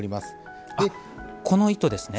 あっこの糸ですね。